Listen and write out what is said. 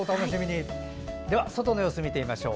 では、外の様子を見てみましょう。